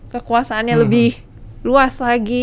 kekuasaannya lebih luas lagi